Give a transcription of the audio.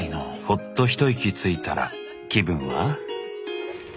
ホッと一息ついたら気分は？